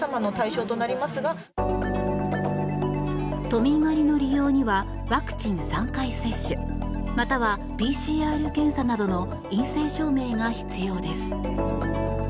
都民割の利用にはワクチン３回接種またはＰＣＲ検査などの陰性証明が必要です。